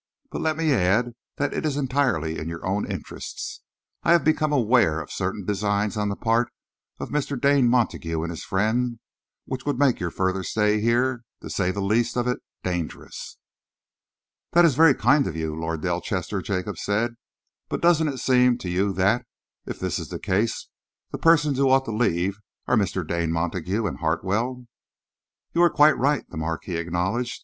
But let me add that it is entirely in your own interests. I have become aware of certain designs on the part of Mr. Dane Montague and his friend, which would make your further stay here, to say the least of it, dangerous." "This is very kind of you, Lord Delchester," Jacob said, "but doesn't it seem to you that, if this is the case, the persons who ought to leave are Mr. Dane Montague and Hartwell?" "You are quite right," the Marquis acknowledged.